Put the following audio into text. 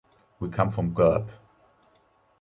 We come from Gurb.